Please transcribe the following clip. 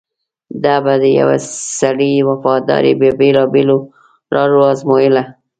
ده به د یوه سړي وفاداري په بېلابېلو لارو ازمویله.